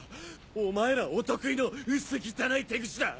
お前らお得意の薄汚い手口だ。